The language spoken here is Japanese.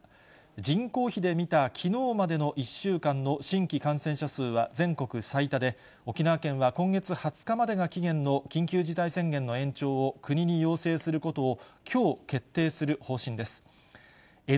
人口比で見たきのうまでの１週間の新規感染者数は全国最多で、沖縄県は今月２０日までが期限の緊急事態宣言の延長を国に要請することを、きょう、決定する方針です。